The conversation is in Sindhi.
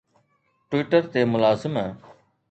Twitter تي ملازم